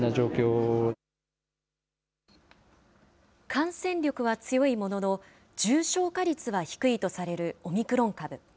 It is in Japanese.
感染力は強いものの、重症化率は低いとされるオミクロン株。